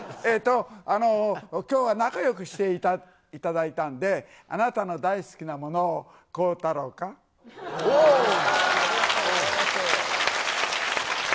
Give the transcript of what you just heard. あの、きょうは仲よくしていただいたんで、あなたの大好きなものをこうありがとうございます。